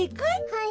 はい。